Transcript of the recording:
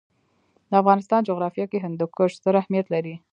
د افغانستان جغرافیه کې هندوکش ستر اهمیت لري.